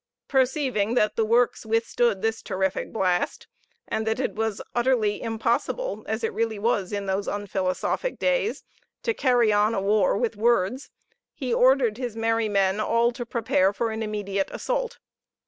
Perceiving that the works withstood this terrific blast, and that it was utterly impossible, as it really was in those unphilosophic days, to carry on a war with words, he ordered his merry men all to prepare for an immediate assault.